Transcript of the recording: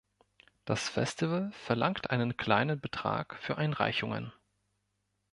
Das Festival verlangt einen kleinen Betrag für Einreichungen.